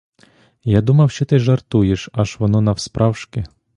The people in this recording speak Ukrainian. Я думав, що ти жартуєш, аж воно навсправжки.